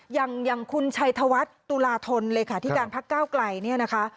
อย่างคุณชัยธนวัสตุลาธนเลยค่ะที่การพัดก้าวกลายนี่นะคะ